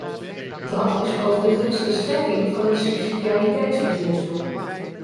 Dat is overigens de strekking van het subsidiariteitsbeginsel.